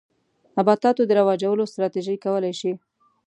نباتاتو د رواجولو ستراتیژۍ کولای شي.